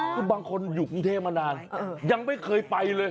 คือบางคนอยู่กรุงเทพมานานยังไม่เคยไปเลย